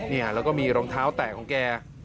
เนี่ยแล้วก็มีรองเท้าแตกของแก